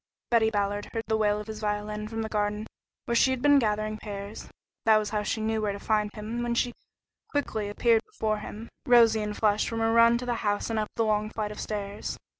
Betty Ballard had heard the wail of his violin from the garden, where she had been gathering pears. That was how she knew where to find him when she quickly appeared before him, rosy and flushed from her run to the house and up the long flight of stairs.